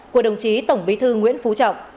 của đồng chí tổng bí thư nguyễn phú trọng